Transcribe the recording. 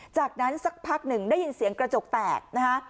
จากนั้นสักพักหนึ่งได้ยินเสียงกระจกแตกนะคะ